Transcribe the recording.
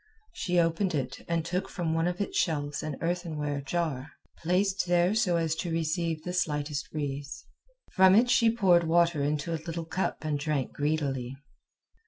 She opened it and took from one of its shelves an earthenware jar, placed there so as to receive the slightest breeze. From it she poured water into a little cup and drank greedily.